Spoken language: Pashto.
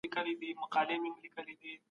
مظلوم سړی تل د خواخوږي انسان په تمه وي.